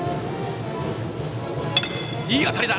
いい当たりだ！